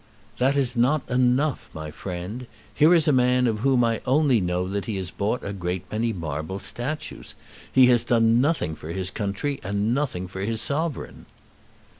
"That is not enough, my friend. Here is a man of whom I only know that he has bought a great many marble statues. He has done nothing for his country, and nothing for his sovereign."